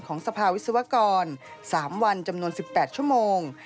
สภาวิศวกร๓วันจำนวน๑๘ชั่วโมง